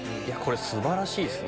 素晴らしいっすね。